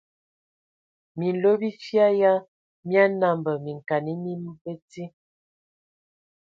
Minlo bifia ya mia nambə minkana mi bəti.